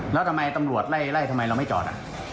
แล้วทำไมตำรวจไล่ทำไมเราไม่จอด